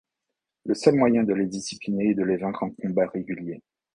Le seul moyen de les discipliner est de les vaincre en combat singulier.